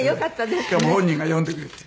しかも本人が読んでくれて。